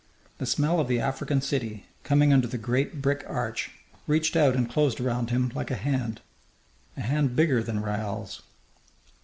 The smell of the African city, coming under the great brick arch, reached out and closed around him like a hand a hand bigger than Raoul's.